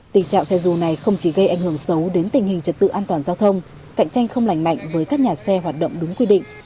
tình trạng xe dù này không chỉ gây ảnh hưởng xấu đến tình hình trật tự an toàn giao thông cạnh tranh không lành mạnh với các nhà xe hoạt động đúng quy định